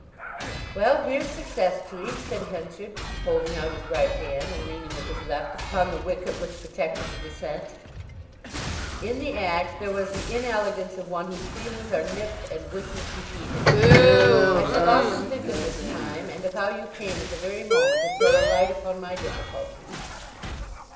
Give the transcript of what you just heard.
"Well, here's success to 'ee," said Henchard, holding out his right hand and leaning with his left upon the wicket which protected the descent. In the act there was the inelegance of one whose feelings are nipped and wishes defeated. "I shall often think of this time, and of how you came at the very moment to throw a light upon my difficulty."